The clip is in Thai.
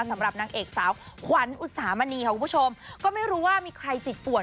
สำหรับนางเอกสาวขวัญอุตสามณีค่ะคุณผู้ชมก็ไม่รู้ว่ามีใครจิตป่วน